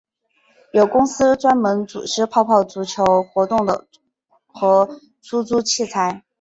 有公司专门组织泡泡足球活动和出租器材。